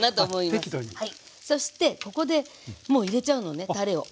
そしてここでもう入れちゃうのねたれを。